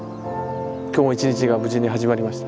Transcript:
今日も一日が無事に始まりました。